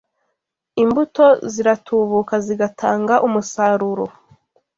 Imbuto ziratubuka zigatanga umusaruro